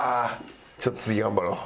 ちょっと次頑張ろう。